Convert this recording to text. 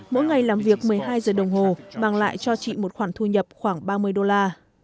mỗi ngày làm việc một mươi hai giờ đồng hồ mang lại cho chị một khoản thu nhập khoảng ba mươi đô la